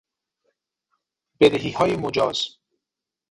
بدهیهای مجاز